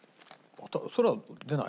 それは出ない？